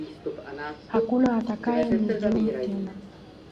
Hakuna atakaye nidhlumu tena.